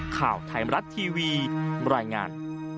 ข่าวไทยมรัฐทีวีบรรยายงาน